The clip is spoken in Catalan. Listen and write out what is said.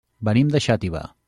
Venim de Xàtiva.